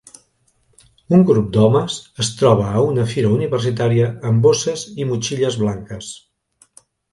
Un grup d'homes es troba a una fira universitària amb bosses i motxilles blanques.